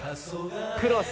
クロス！